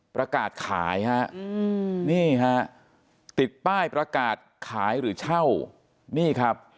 ประกาศขายฮะนี่ฮะติดป้ายประกาศขายหรือเช่านี่ครับ